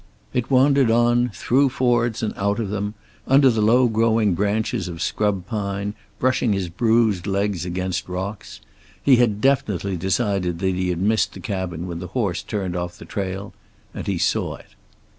It wandered on, through fords and out of them, under the low growing branches of scrub pine, brushing his bruised legs against rocks. He had definitely decided that he had missed the cabin when the horse turned off the trail, and he saw it.